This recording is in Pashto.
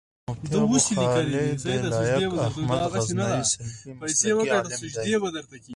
مفتي ابوخالد لائق احمد غزنوي سلفي مسلک عالم دی